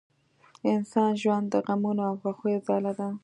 انسان ژوند د غمونو او خوښیو ځاله ده